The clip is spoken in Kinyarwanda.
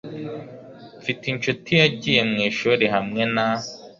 Mfite inshuti yagiye mwishuri hamwe na .